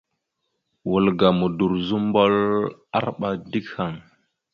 Wal ga Modorəzobom arɓa dik haŋ.